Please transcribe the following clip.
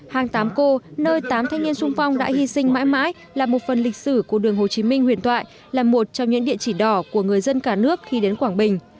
hàng tám cô nơi tám thanh niên sung phong đã hy sinh mãi mãi là một phần lịch sử của đường hồ chí minh huyền thoại là một trong những địa chỉ đỏ của người dân cả nước khi đến quảng bình